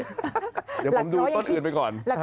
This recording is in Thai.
เดี๋ยวผมดูต้นอื่นไปก่อน